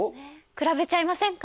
比べちゃいませんか？